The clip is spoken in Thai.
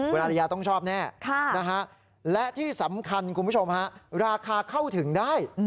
คุณอาริยาต้องชอบแน่และที่สำคัญคุณผู้ชมฮะราคาเข้าถึงได้